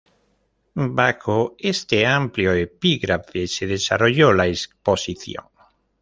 Bajo este amplio epígrafe se desarrolló la Exposición.